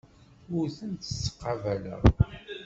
Ur tent-ttqabaleɣ.